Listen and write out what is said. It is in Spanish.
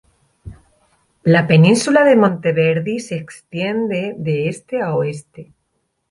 La península de Monteverdi se extiende de este a oeste.